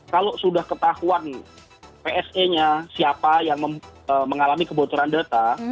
kalau sudah ketahuan pse nya siapa yang mengalami kebocoran data